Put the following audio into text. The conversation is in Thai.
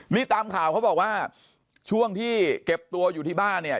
นี่ตามข่าวเขาบอกว่าช่วงที่เก็บตัวอยู่ที่บ้านเนี่ย